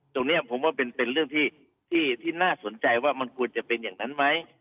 ตรงนี้ผมว่าเป็นเรื่องที่น่าสนใจว่ามันควรจะเป็นอย่างนั้นไหม